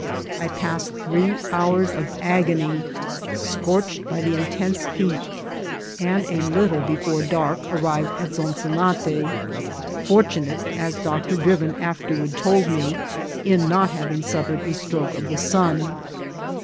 I passed three hours of agony, scorched by the intense heat, and a little before dark arrived at Zon asonate, fortunate, as Dr. Drivin afterward told me, in not having suffered a stroke of the sun.